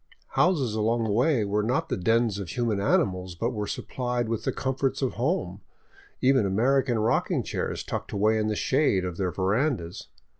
Houses along the way were not the dens of human animals, but were supplied with the comforts of home, even American rocking chairs tucked away in the shade of their verandas.